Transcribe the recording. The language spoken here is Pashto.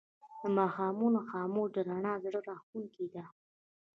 د ماښامونو خاموش رڼا زړه راښکونکې ده